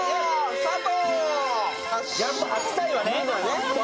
スタート。